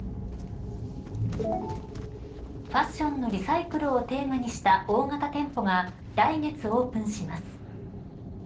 ファッションのリサイクルをテーマにした大型店舗が来月オープンします。